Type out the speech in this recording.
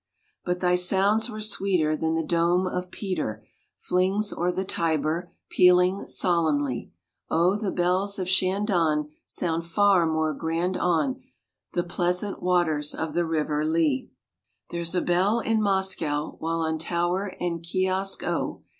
But thy sounds were sweeter than the dome of Peter Flings o'er the Tiber, pealing solemnly; O, the bells of Shandon sound far more grand on The pleasant waters of the River Lee. There's a bell in Moscow; while on tower and kiosk O!